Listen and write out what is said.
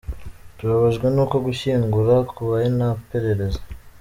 Tubabajwe n’uko gushyingura kubaye nta perereza”.